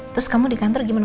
terus kamu di kantor gimana